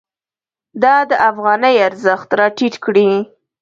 دا د افغانۍ ارزښت راټیټ کړی.